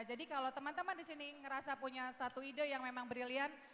jadi kalau teman teman di sini ngerasa punya satu ide yang memang brilliant